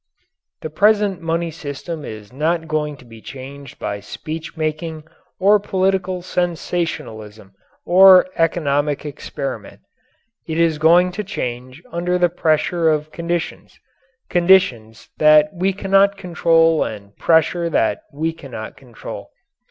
The present money system is not going to be changed by speech making or political sensationalism or economic experiment. It is going to change under the pressure of conditions conditions that we cannot control and pressure that we cannot control.